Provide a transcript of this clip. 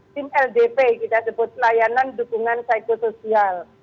tim ldp kita sebut layanan dukungan psikosoial